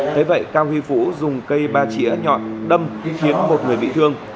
thế vậy cao huy vũ dùng cây ba chỉa nhọn đâm khiến một người bị thương